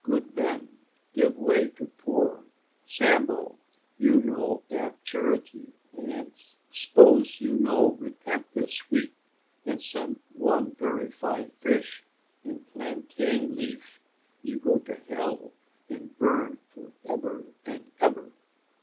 good men; give 'way to poor. Sambo, you no ab charity; and 'spose you no repent this week, and send one very fine fish in plantain leaf, you go to hell, and burn for ebber and ebber.